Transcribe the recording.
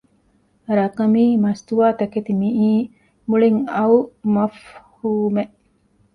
ރަޤަމީ މަސްތުވާ ތަކެތި މިއީ މުޅިން އައު މަފްހޫމެއް